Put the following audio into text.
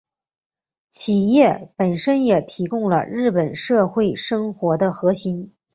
企业本身也提供了日本社会生活的核心。